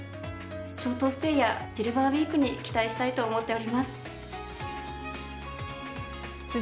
ショートステイやシルバーウイークに期待したいと思っております。